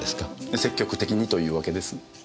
積極的にというわけです。